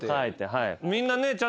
みんなね。